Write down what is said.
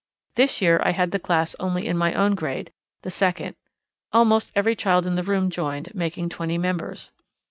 This year I had the class only in my own grade the second. Almost every child in the room joined, making twenty members.